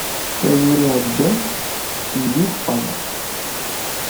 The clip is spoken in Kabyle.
Ayyur iɛeddan i yuɣ Ann.